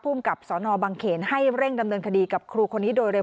กับสนบังเขนให้เร่งดำเนินคดีกับครูคนนี้โดยเร็